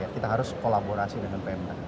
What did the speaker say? kita harus kolaborasi dengan pemda